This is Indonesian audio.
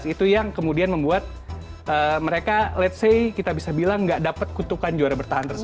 itu yang kemudian membuat mereka let's say kita bisa bilang nggak dapat kutukan juara bertahan tersebut